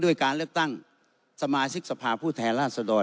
ด้วยการเลือกตั้งสมาสิทธิ์สภาพผู้แทนราชดร